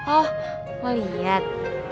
oh mau liat